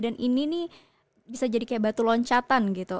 dan ini nih bisa jadi kayak batu loncatan gitu